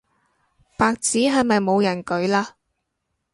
白紙係咪冇人舉嘞